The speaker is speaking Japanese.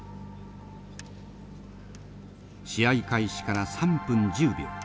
試合開始から３分１０秒。